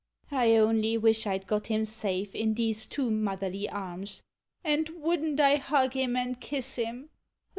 I only wish I 'd got him safe in these two Moth erly arms, and wouldn't I hug him aud kiss him!